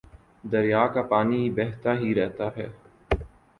دریا کا پانی بہتا ہی رہتا ہے